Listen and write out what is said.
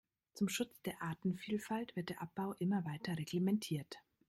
Zum Schutz der Artenvielfalt wird der Abbau immer weiter reglementiert.